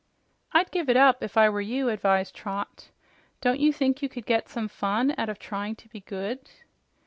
"I'd give it up, if I were you," advised Trot. "Don't you think you could get some fun out of trying to be good?"